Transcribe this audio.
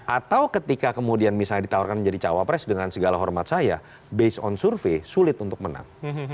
atau ketika kemudian misalnya ditawarkan menjadi cawapres dengan segala hormat saya based on survei sulit untuk menang